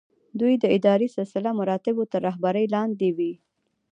دوی د اداري سلسله مراتبو تر رهبرۍ لاندې وي.